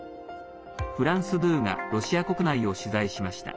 フランス２がロシア国内を取材しました。